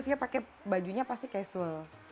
fia pake bajunya pasti casual